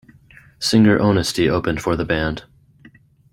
Singer Onesty opened for the band.